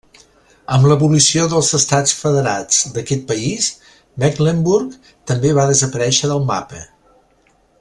Amb l'abolició dels estats federats d'aquest país, Mecklenburg també va desaparèixer del mapa.